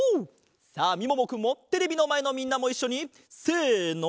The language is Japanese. さあみももくんもテレビのまえのみんなもいっしょにせの。